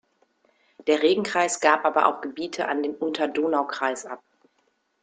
Der Regenkreis gab aber auch Gebiete an den Unterdonaukreis ab.